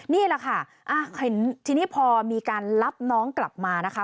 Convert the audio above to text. นี่แหละค่ะทีนี้พอมีการรับน้องกลับมานะคะ